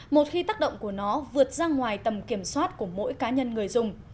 một khi tác động của nó vượt ra ngoài tầm kiểm soát của mỗi cá nhân người dùng